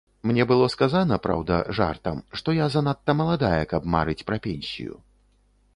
Мне было сказана, праўда, жартам, што я занадта маладая, каб марыць пра пенсію.